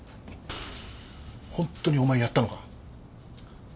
本当にお前やったのか？